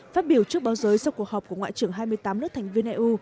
phát biểu trước báo giới sau cuộc họp của ngoại trưởng hai mươi tám nước thành viên eu